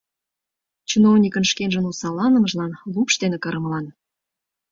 Чиновникын шкенжын осалланымыжлан, лупш дене кырымылан: